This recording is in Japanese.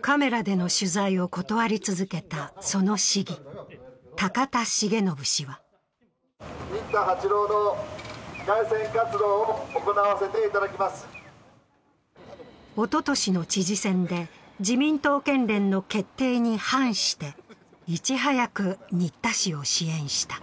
カメラでの取材を断り続けたその市議・高田重信氏はおととしの知事選で自民党県連の決定に反していち早く新田氏を支援した。